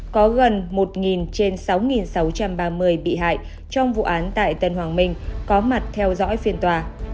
có gần một trên sáu sáu trăm ba mươi bị hại trong vụ án tại tân hoàng minh có mặt theo dõi phiên tòa